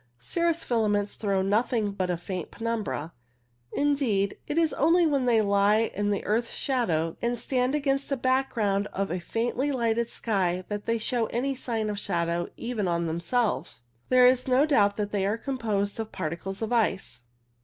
Cirrus filaments throw nothing but a faint penumbra. Indeed, it is only when they lie in the earth's shadow, and stand against the back ground of a faintly lighted sky, that they show any sign of shadow even on themselves. There is no doubt that they are composed of particles of ice.